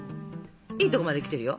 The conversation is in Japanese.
いいとこまで来てるよ。